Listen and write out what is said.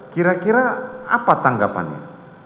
kira kira apa tanggapannya